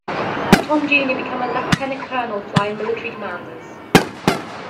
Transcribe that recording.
Tom Junior became a Lieutenant Colonel flying military commanders.